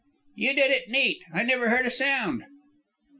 "You did it neat. I never heard a sound."